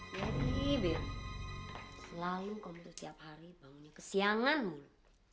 jadi ibin selalu komputer tiap hari bangunnya kesiangan mulu